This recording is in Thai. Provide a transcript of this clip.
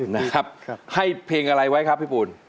นะครับให้เพลงอะไรไว้ครับพี่ปูน